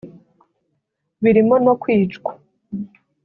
birimo no kwicwa